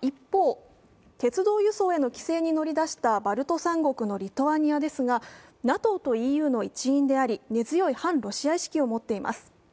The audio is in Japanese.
一方、鉄道輸送への規制に乗り出したバルト三国のリトアニアですが、ＮＡＴＯとＥＵの一員であり、根強い反ロシア意識を持っています。